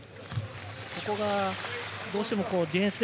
ここがどうしてもディフェンスで